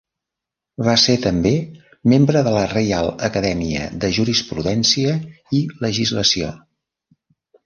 Va ser també membre de la Reial Acadèmia de Jurisprudència i Legislació.